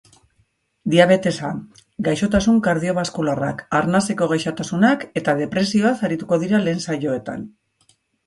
Diabetesa, gaixotasun kardiobaskularrak, arnaseko gaixotasunak eta depresioaz arituko dira lehen saioetan.